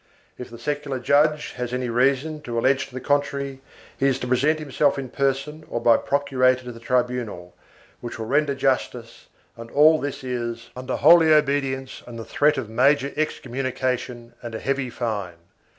If the secular judge has any reason to allege to the contrary he is to present himself in person or by procurator to the tribunal, which will render justice, and all this is under holy obedience and the threat of major excommunication and a heavy fine.